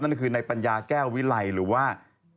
นั่นคือในปัญญาแก้ววิไลหรือว่า